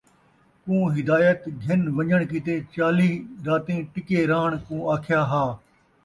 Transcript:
کوں ہدایت گِھن وَن٘ڄݨ کِیتے چالیھ راتیں ٹِکیے رَہݨ کُوں آکھیا ہا،